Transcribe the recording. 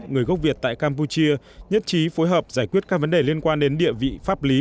người gốc việt tại campuchia nhất trí phối hợp giải quyết các vấn đề liên quan đến địa vị pháp lý